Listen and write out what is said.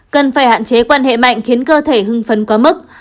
cần phải hạn chế quan hệ mạnh khiến cơ thể hưng phấn quá mức